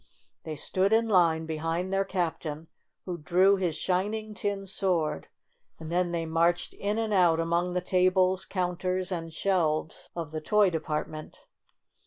They stood in line behind their cap tain, who drew his shining tin sword, and then they marched in and out among the tables, counters and shelves of the toy de partment.